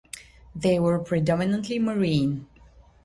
They were predominantly marine.